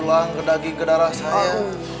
pulang ke daging ke darah saya